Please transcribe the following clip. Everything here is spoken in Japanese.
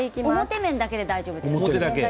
表面だけで大丈夫です。